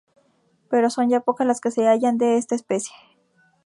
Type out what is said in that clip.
Pero son ya pocas las que se hallan de esta especie.